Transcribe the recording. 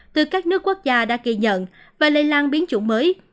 từ các nước quốc gia đã kỳ nhận và lây lan biến chủng mới